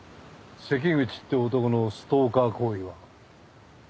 関口って男のストーカー行為は。